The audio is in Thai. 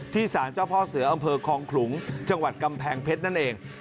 สารเจ้าพ่อเสืออำเภอคลองขลุงจังหวัดกำแพงเพชรนั่นเอง